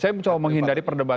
saya mencoba menghindari perdebatan